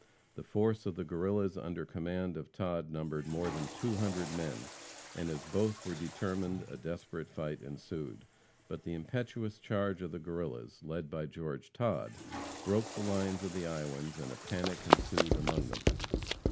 The force of the Guerrillas under command of Todd numbered more than two hundred men, and as both were determined, a desperate fight ensued. But the impetuous charge of the Guerrillas, led by George Todd, broke the lines of the Iowans, and a panic ensued among them.